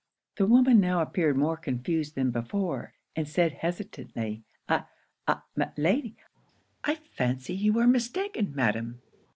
The woman now appeared more confused than before; and said, hesitatingly 'I I my lady I fancy you are mistaken, madam.'